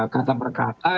kata per kata